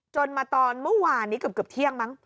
มาตอนเมื่อวานนี้เกือบเที่ยงมั้ง